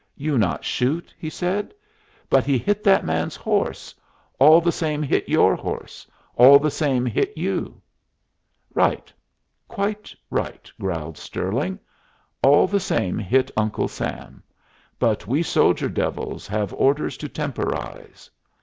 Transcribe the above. "You not shoot?" he said. "But he hit that man's horse all the same hit your horse, all the same hit you." "Right. Quite right," growled Stirling. "All the same hit Uncle Sam. But we soldier devils have orders to temporize."